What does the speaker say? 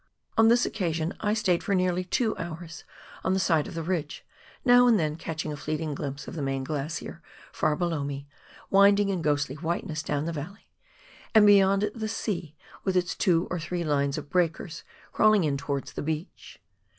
On this occasion I stayed for nearly two hours on the side of the ridge, now and then catching a fleeting glimpse of the main glacier far below me, winding in ghostly whiteness down the valley, and beyond it the sea with its two or three lines of breakers crawling in towards the beach.